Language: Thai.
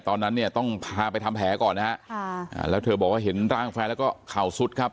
ตอนนั้นเนี่ยต้องพาไปทำแผลก่อนนะฮะค่ะอ่าแล้วเธอบอกว่าเห็นร่างแฟนแล้วก็เข่าสุดครับ